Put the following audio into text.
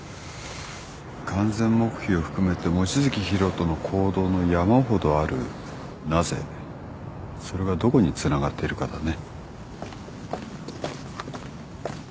完全黙秘を含めて望月博人の行動の山ほどある「なぜ」それがどこにつながってるかだね。